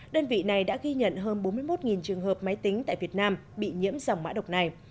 đơn vị này đã ghi nhận hơn bốn mươi một trường hợp máy tính tại việt nam bị nhiễm dòng mã độc này